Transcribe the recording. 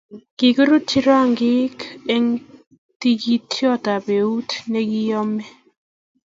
kikirutyi rangik eng tikitiet apkeut Nepo nekoimyani